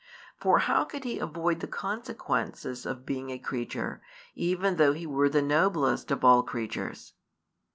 For how could He avoid the consequences of being a creature, even though He were the noblest of all creatures?